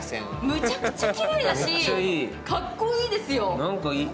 むちゃくちゃきれいだし、かっこいいですよ。